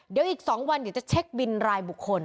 เดี๋ยวอีก๒วันเดี๋ยวจะเช็คบินรายบุคคล